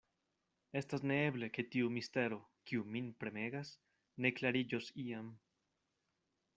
Estas neeble, ke tiu mistero, kiu min premegas, ne klariĝos iam.